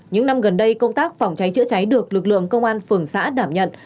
những năm gần đây công tác phòng cháy chữa cháy được lực lượng công an phường xã đảm nhận